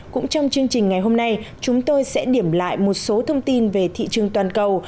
cũng trong chương trình ngày hôm nay chúng tôi sẽ điểm lại một số thông tin về thị trường toàn cầu